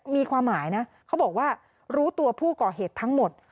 มีความหมายนะเขาบอกว่ารู้ตัวผู้ก่อเหตุทั้งหมด